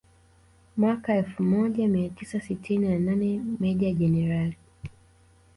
Mwaka elfu moja mia tisa sitini na nane Meja Jenerali